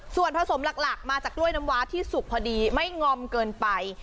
ส่วนผสมหลักมาจากกล้วยน้ำว้าที่สุกพอดีไม่งอมเกินไป